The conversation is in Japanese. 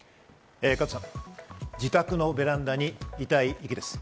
加藤さん、自宅のベランダに遺体遺棄です。